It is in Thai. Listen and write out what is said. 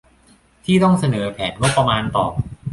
ที่ต้องเสนอแผนงบประมาณต่อ